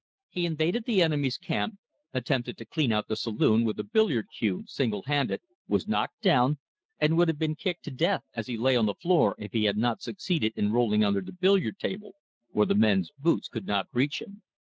He invaded the enemy's camp, attempted to clean out the saloon with a billiard cue single handed, was knocked down, and would have been kicked to death as he lay on the floor if he had not succeeded in rolling under the billiard table where the men's boots could not reach him.